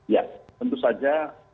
ya tentu saja